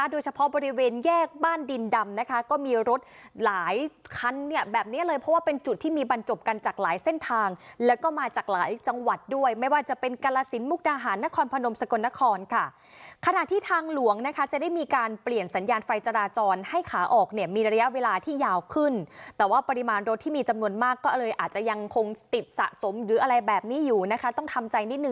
โดยเฉพาะบริเวณแยกบ้านดินดำนะคะก็มีรถหลายคันเนี่ยแบบนี้เลยเพราะว่าเป็นจุดที่มีบรรจบกันจากหลายเส้นทางแล้วก็มาจากหลายจังหวัดด้วยไม่ว่าจะเป็นกรสินมุกนาหารนครพนมสกลนครค่ะขณะที่ทางหลวงนะคะจะได้มีการเปลี่ยนสัญญาณไฟจราจรให้ขาออกเนี่ยมีระยะเวลาที่ยาวขึ้นแต่ว่าปริมาณรถที่มีจำ